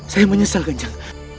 saya menyesal kanjeng